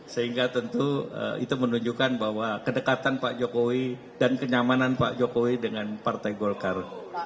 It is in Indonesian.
sehingga tentu itu menunjukkan bahwa kedekatan pak jokowi dan kenyamanan pak jokowi dengan partai golkar